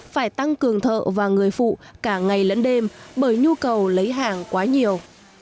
phải tăng cường thợ và người phụ cả ngày lẫn đêm bởi nhu cầu lấy hàng quá nhiều